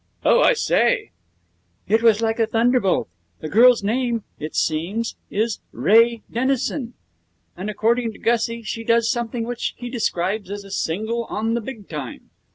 'Oh, I say!' 'It was like a thunderbolt. The girl's name, it seems, is Ray Denison, and according to Gussie she does something which he describes as a single on the big time.